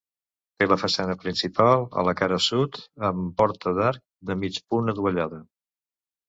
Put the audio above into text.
Té la façana principal a la cara sud, amb porta d'arc de mig punt adovellada.